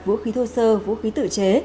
vũ khí thô sơ vũ khí tử chế